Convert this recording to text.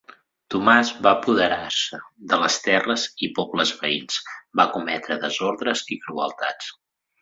Tomàs es va apoderar de les terres i pobles veïns, va cometre desordres i crueltats.